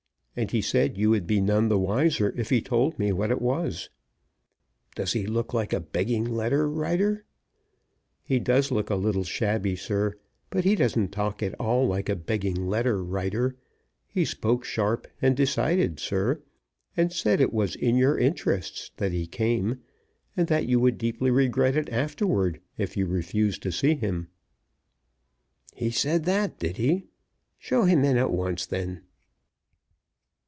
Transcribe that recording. And he said you would be none the wiser if he told me what it was." "Does he look like a begging letter writer?" "He looks a little shabby, sir, but he doesn't talk at all like a begging letter writer. He spoke sharp and decided, sir, and said it was in your interests that he came, and that you would deeply regret it afterward if you refused to see him." "He said that, did he? Show him in at once, then."